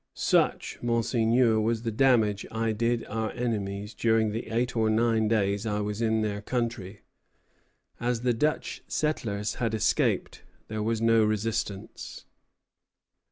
Such, Monseigneur, was the damage I did our enemies during the eight or nine days I was in their country." [Footnote: Journal de Riguad.] As the Dutch settlers had escaped, there was no resistance.